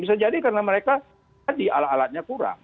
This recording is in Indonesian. bisa jadi karena mereka tadi alat alatnya kurang